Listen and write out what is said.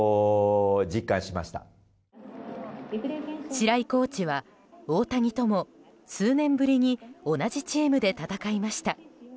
白井コーチは大谷とも数年ぶりに同じチームで戦いました。